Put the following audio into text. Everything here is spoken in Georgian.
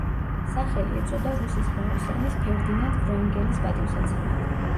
სახელი ეწოდა რუსი ზღვაოსანის ფერდინანდ ვრანგელის პატივსაცემად.